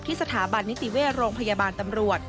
สถาบันนิติเวชโรงพยาบาลตำรวจ